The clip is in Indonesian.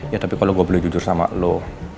ya tapi kalau gue boleh jujur sama lo